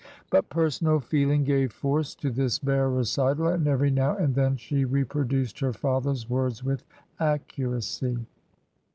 But personal feeling gave force to this bare recital, and every now and then she reproduced her father's words with accuracy.